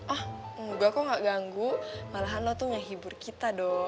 oh engga kok gak ganggu malahan lo tuh ngehibur kita dok